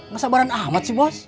gak sabaran amat sih bos